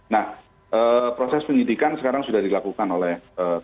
nah proses penyidikan sekarang sudah dilakukan oleh kpk